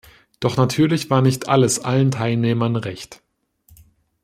Doch natürlich war nicht alles allen Teilnehmern recht.